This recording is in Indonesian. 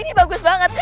ini bagus banget